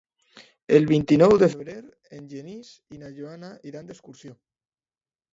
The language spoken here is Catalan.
El vint-i-nou de febrer en Genís i na Joana iran d'excursió.